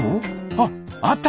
あっあった！